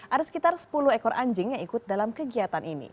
ada sekitar sepuluh ekor anjing yang ikut dalam kegiatan ini